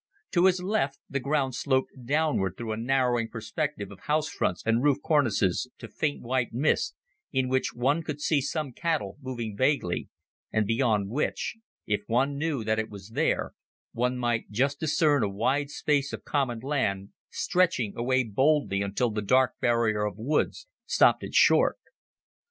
To his left the ground sloped downward through a narrowing perspective of house fronts and roof cornices to faint white mist, in which one could see some cattle moving vaguely, and beyond which, if one knew that it was there, one might just discern a wide space of common land stretching away boldly until the dark barrier of woods stopped it short.